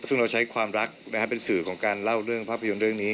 ซึ่งเราใช้ความรักเป็นสื่อของการเล่าเรื่องภาพยนตร์เรื่องนี้